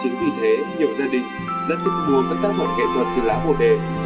chính vì thế nhiều gia đình rất thích mua các tác phẩm kệ thuật từ lá bồ đề